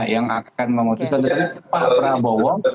yang akan memutuskan pak prabowo